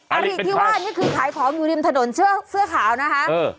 อาริที่ว่านี่คือขายของอยู่ริมถนนเสื้อขาวนะคะ